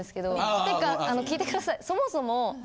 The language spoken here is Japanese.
ってかあの聞いてください。